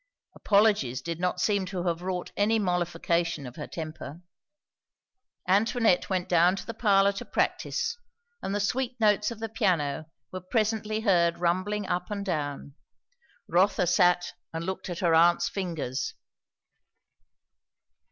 Apologies did not seem to have wrought any mollification of her temper. Antoinette went down to the parlour to practise, and the sweet notes of the piano were presently heard rumbling up and down. Rotha sat and looked at her aunt's fingers.